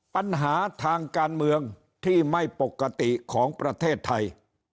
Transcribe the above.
ปัญหาทางการเมืองที่ไม่ปกติของประเทศไทย